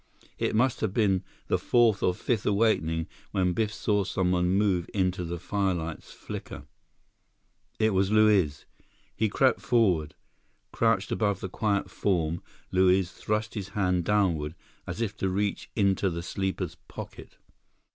It must have been the fourth or fifth awakening, when Biff saw someone move into the firelight's flicker. It was Luiz. He crept forward. Crouched above the quiet form, Luiz thrust his hand downward as if to reach into the sleeper's pocket.